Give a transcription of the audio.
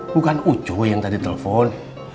bukan ojo yang tadi telepon